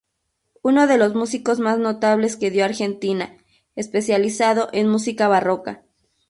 Uno de los músicos más notables que dio Argentina, especializado en música barroca.